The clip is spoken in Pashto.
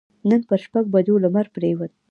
نن پر شپږ بجو لمر پرېوت.